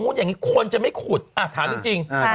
เยอร์โน้อยอยงานี้ควรจะไม่ขุดถามจริง